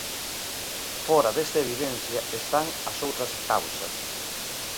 Fóra desta evidencia, están as outras causas.